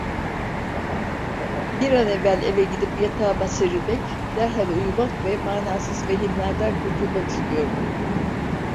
Bir an evvel eve gidip yatağıma serilmek, derhal uyumak ve manasız vehimlerden kurtulmak istiyordum.